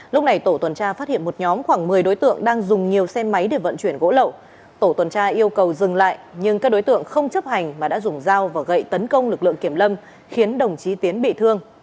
lúc này tổ tuần tra phát hiện một nhóm khoảng một mươi đối tượng đang dùng nhiều xe máy để vận chuyển gỗ lậu tổ tuần tra yêu cầu dừng lại nhưng các đối tượng không chấp hành mà đã dùng dao và gậy tấn công lực lượng kiểm lâm khiến đồng chí tiến bị thương